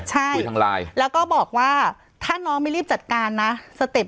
ใช่คุยทางไลน์แล้วก็บอกว่าถ้าน้องไม่รีบจัดการนะสเต็ป